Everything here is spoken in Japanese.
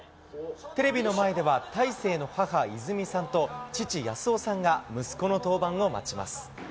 テレビの前では大勢の母、いずみさんと、父、やすおさんが息子の登板を待ちます。